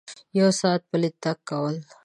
یو ساعت پلی تګ کول